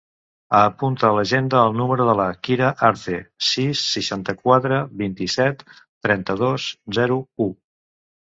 Apunta a l'agenda el número de la Kira Arce: sis, seixanta-quatre, vint-i-set, trenta-dos, zero, u.